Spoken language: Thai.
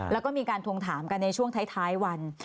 แล้วก็มีการทวงถามกันในช่วงท้ายวัน